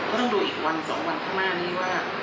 ต้องดูอีกวัน๒วันข้างหน้านี้ว่า